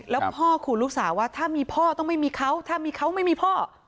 แล้วพ่อขู่ลูกสาวว่าถ้ามีพ่อต้องไม่มีเขาถ้ามีเขาไม่มีพ่อ